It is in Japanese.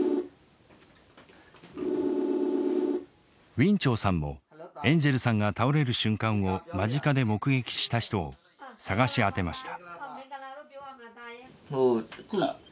ウィン・チョウさんもエンジェルさんが倒れる瞬間を間近で目撃した人を探し当てました。